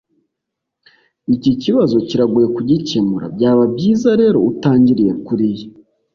Iki kibazo kiragoye kugikemura. Byaba byiza rero utangiriye kuriya.